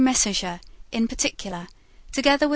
Messager in particular, together with M.